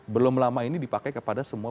belum lama ini dipakai kepada semua